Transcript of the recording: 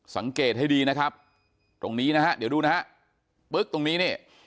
สังเกตให้ดีนะครับตรงนี้นะฮะเดี๋ยวดูนะฮะปึ๊กตรงนี้นี่